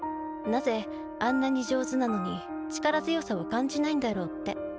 なぜあんなに上手なのに力強さを感じないんだろうって。